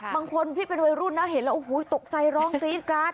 บางคนที่เป็นวัยรุ่นนะเห็นแล้วโอ้โหตกใจร้องกรี๊ดกราด